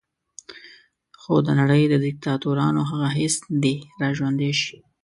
خو د نړۍ د دیکتاتورانو هغه حس دې را ژوندی شي.